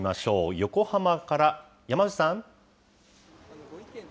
横浜から、山内さん。